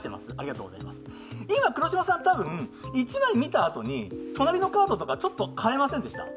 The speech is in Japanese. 今、黒島さん、多分１枚見た後に隣のカードとか、ちょっと変えませんでした？